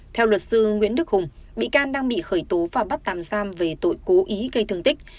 theo luật sư nguyễn đức hùng bị can đang bị khởi tố và bắt tạm giam về tội cố ý gây thương tích